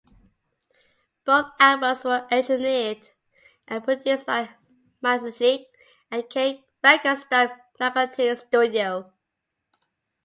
Both albums were engineered and produced by Maricich at K Records' Dub Narcotic Studio.